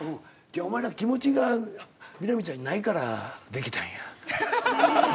お前ら気持ちが美波ちゃんにないからできたんや。